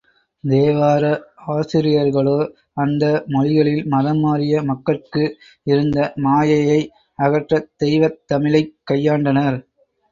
தேவார ஆசிரியர்களோ, அந்த மொழிகளில் மதம் மாறிய மக்கட்கு இருந்த மாயை யை அகற்றத் தெய்வத் தமிழைக் கையாண்டனர்.